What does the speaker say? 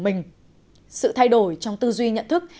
mình sự thay đổi trong tư duy nhận thức